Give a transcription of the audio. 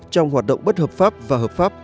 trong hoạt động bất hợp pháp và hợp pháp